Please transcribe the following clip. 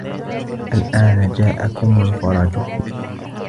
الْآنَ جَاءَكُمْ الْفَرَجُ